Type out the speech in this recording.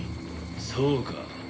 そうか。